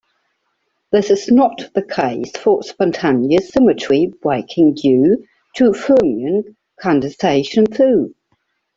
This is not the case for spontaneous symmetry breaking due to fermion condensation, though.